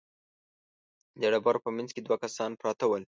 د ډبرو په مينځ کې دوه کسان پراته ول.